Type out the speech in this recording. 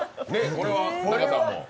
これは仲さんも。